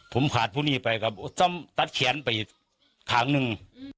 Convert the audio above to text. ผมขาดพวกนี้ไปตัดแขนไปทางหนึ่ง